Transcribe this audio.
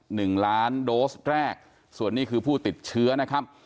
หนึ่งล้านโดสแรกส่วนนี้คือผู้ติดเชื้อนะครับ